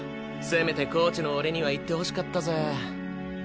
せめてコーチの俺には言ってほしかったぜ。